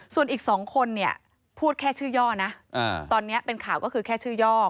ส่วนอีก๒คนเนี่ยพูดแค่ชื่อย่อนะตอนนี้เป็นข่าวก็คือแค่ชื่อย่อ